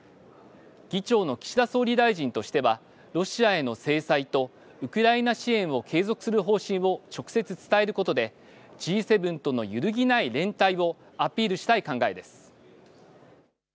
議長の岸田総理大臣としてはロシアへの制裁とウクライナ支援を継続する方針を直接伝えることでＧ７との揺るぎない連帯をアピールしたい考えです。